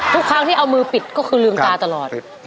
ทุกครั้งที่เอามือปิดก็คือลืมตาตลอด